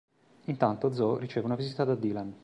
Intanto Zoe riceve una visita da Dylan.